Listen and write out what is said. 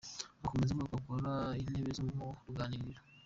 Akomeza avuga ko akora intebe zo mu ruganiriro.